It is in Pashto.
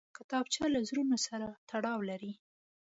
کتابچه له زړونو سره تړاو لري